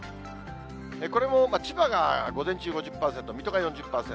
これも千葉が午前中５０％、水戸が４０％。